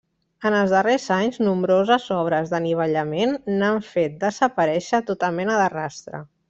En els darrers anys nombroses obres d'anivellament n'han fet desaparèixer tota mena de rastre.